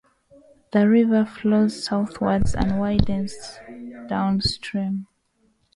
The river flows southwards and widens downstream.